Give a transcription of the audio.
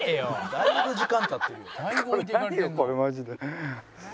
「だいぶ時間経ってるよ」